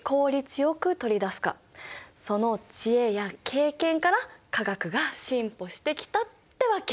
その知恵や経験から化学が進歩してきたってわけ。